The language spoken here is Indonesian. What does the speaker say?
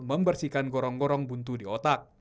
membersihkan gorong gorong buntu di otak